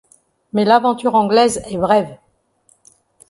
Mais l'aventure anglaise est brève.